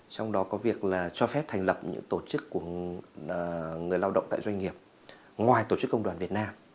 trong đó có việc là cho phép thành lập những tổ chức của người lao động tại doanh nghiệp ngoài tổ chức công đoàn việt nam